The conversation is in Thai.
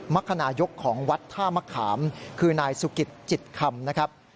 รรคนายกของวัดท่ามะขามคือนายสุกิตจิตคำนะครับ